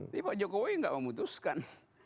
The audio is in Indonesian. tapi pak jokowi nggak memutuskan